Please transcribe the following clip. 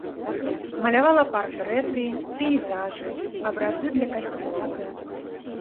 Малявала партрэты, пейзажы, абразы для касцёлаў.